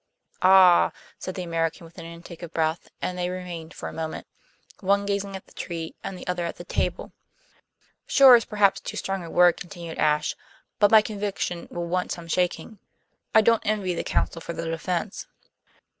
"Ah!" said the American, with an intake of breath, and they remained for a moment, one gazing at the tree and the other at the table. "Sure is perhaps too strong a word," continued Ashe. "But my conviction will want some shaking. I don't envy the counsel for the defense."